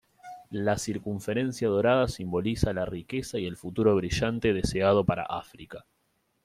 La circunferencia dorada simboliza la riqueza y el futuro brillante deseado para África.